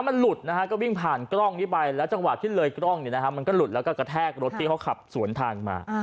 มันหลุดนะฮะก็วิ่งผ่านกล้องนี้ไปแล้วจังหวะที่เลยกล้องเนี่ยนะฮะมันก็หลุดแล้วก็กระแทกรถที่เขาขับสวนทางมา